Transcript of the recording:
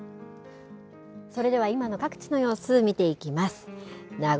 それでは今の各地の様子を見ていきます。